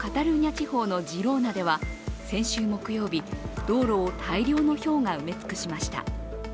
地方のジローナでは、先週木曜日、道路を大量のひょうが埋め尽くしました。